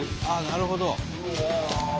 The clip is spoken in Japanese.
ああなるほど。